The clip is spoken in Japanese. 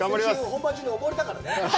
本番中に溺れたからね。